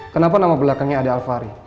kenapa nama belakangnya ada alvari